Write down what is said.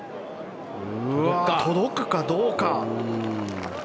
届くかどうか。